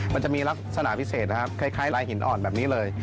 มันจะมีลักษณะพิเศษนะครับคล้ายลายหินอ่อนแบบนี้เลย